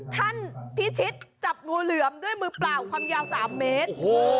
ท่านพิชิตจับงูเหลือมด้วยมือเปล่าความยาว๓เมตร